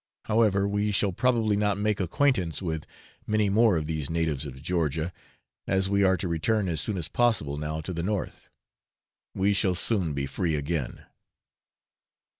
However, we shall probably not make acquaintance with many more of these natives of Georgia, as we are to return as soon as possible now to the north. We shall soon be free again.